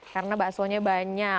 karena bakso nya banyak